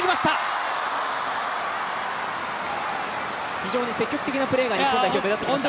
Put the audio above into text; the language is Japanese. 非常に積極的なプレーが日本代表、目立ってきました。